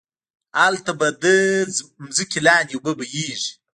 هلته به ده ځمکی لاندی اوبه بهيږي